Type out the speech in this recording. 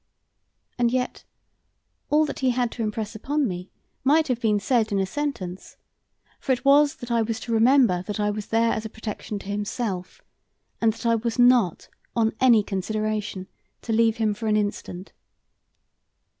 And yet all that he had to impress upon me might have been said in a sentence, for it was that I was to remember that I was there as a protection to himself, and that I was not on any consideration to leave him for an instant.